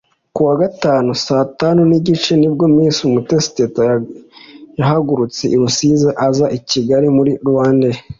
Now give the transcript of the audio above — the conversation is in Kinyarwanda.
Kuwa gatanu Saa tanu n'igice nibwo Miss Umutesi Teta yahagurutse i Rusizi aza i Kigali muri RwandAair